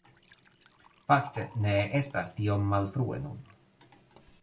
Fakte, ne estas tiom malfrue nun